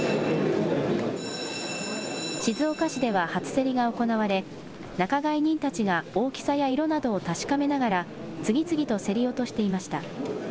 静岡市では初競りが行われ仲買人たちが大きさや色などを確かめながら次々と競り落としていました。